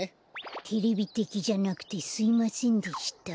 テレビてきじゃなくてすいませんでした。